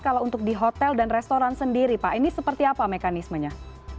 kalau untuk di hotel dan restoran sendiri pak ini seperti apa mekanismenya